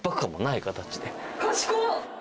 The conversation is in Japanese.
賢っ！